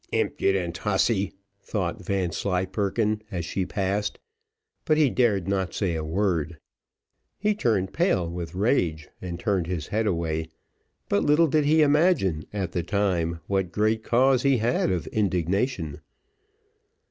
"Impudent hussy!" thought Vanslyperken, as she passed, but he dared not say a word. He turned pale with rage, and turned his head away; but little did he imagine, at the time, what great cause he had of indignation.